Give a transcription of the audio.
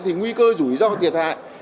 thì nguy cơ rủi ro thiệt hại